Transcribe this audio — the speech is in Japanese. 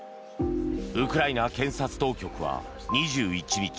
ウクライナ検察当局は２１日